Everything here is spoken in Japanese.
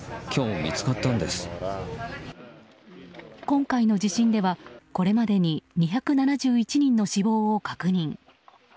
今回の地震ではこれまでに２７１人の死亡を確認。